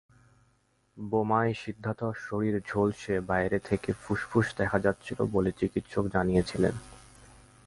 বোমায় সিদ্ধার্থর শরীর ঝলসে বাইরে থেকে ফুসফুস দেখা যাচ্ছিল বলে চিকিত্সক জানিয়েছিলেন।